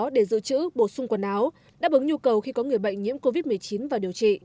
để giữ chữ bổ sung quần áo đáp ứng nhu cầu khi có người bệnh nhiễm covid một mươi chín vào điều trị